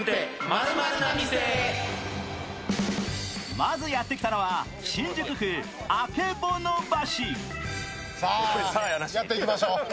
まずやってきたのは新宿区曙橋。